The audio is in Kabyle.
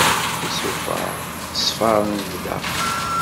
Iṣufeṛ, ṣṣfeṛ n bda.